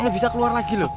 bisa keluar lagi loh